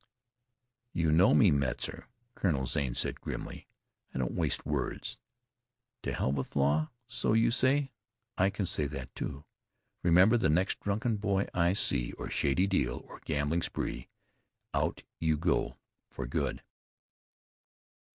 "You know me, Metzar," Colonel Zane said grimly. "I don't waste words. 'To hell with law!' so you say. I can say that, too. Remember, the next drunken boy I see, or shady deal, or gambling spree, out you go for good."